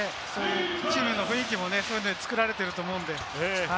チームの雰囲気もそれで作られていると思うので。